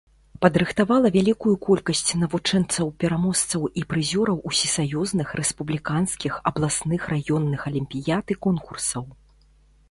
Падрыхтавала вялікую колькасць навучэнцаў-пераможцаў і прызёраў усесаюзных, рэспубліканскіх, абласных, раённых алімпіяд і конкурсаў.